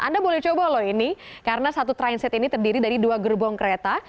anda boleh coba loh ini karena satu transit ini terdiri dari dua gerbong kereta